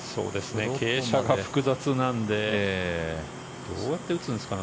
傾斜が複雑なのでどうやって打つんですかね。